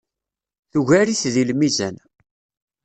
Tugar-it deg lmizan.